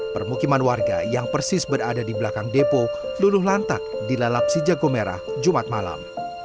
permukiman warga yang persis berada di belakang depo luluh lantak di lalap si jago merah jumat malam